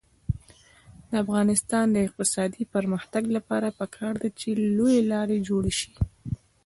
د افغانستان د اقتصادي پرمختګ لپاره پکار ده چې لویې لارې جوړې شي.